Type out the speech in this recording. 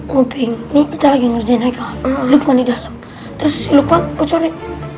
ngopeng ini kita lagi ngerjain kaul lupuan di dalem terus lupuan bocorin